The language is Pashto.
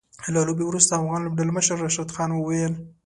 له لوبې وروسته افغان لوبډلمشر راشد خان وويل